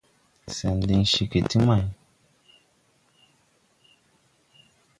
Sɛn diŋ ceege ti may !